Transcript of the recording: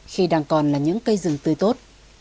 khi đang còn là những cây rừng tươi tốt